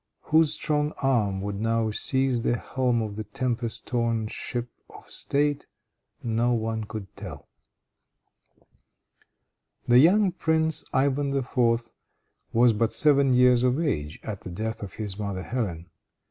Whose strong arm would now seize the helm of the tempest torn ship of State, no one could tell. The young prince, Ivan IV., was but seven years of age at the death of his mother Hélène.